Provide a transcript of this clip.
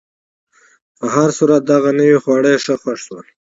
په هر صورت، دغه نوي خواړه یې ښه خوښ شول.